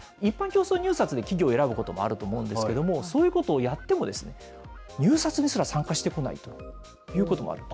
一般競争入札で企業を選ぶこともあると思うんですけれども、そういうことをやっても、入札にすら参加してこないということもあります。